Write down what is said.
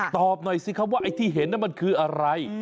ตอบหน่อยสิครับว่าไอ้ที่เห็นมันคืออะไร